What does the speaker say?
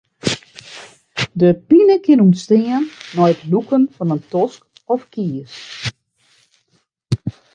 Dy pine kin ûntstean nei it lûken fan in tosk of kies.